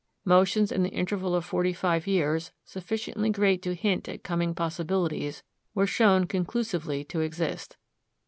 Motions in the interval of forty five years, sufficiently great to hint at coming possibilities, were shown conclusively to exist.